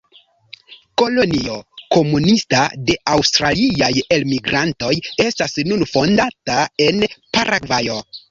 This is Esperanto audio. Kolonio komunista de Aŭstraliaj elmigrantoj estas nun fondata en Paragvajo.